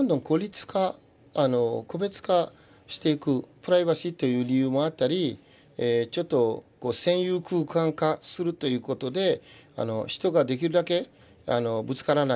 プライバシーという理由もあったりちょっと占有空間化するということで人ができるだけぶつからない。